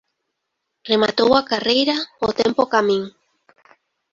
Rematou a carreira ó tempo ca min.